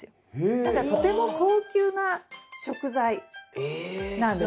だからとても高級な食材なんです。